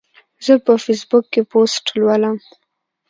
زه په فیسبوک کې پوسټ لولم.